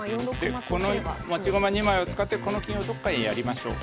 この持ち駒２枚を使ってこの金をどっかへやりましょう。